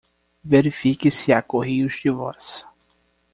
Verifique se há correios de voz.